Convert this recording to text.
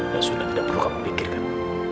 yang sudah tidak perlu kamu pikirkan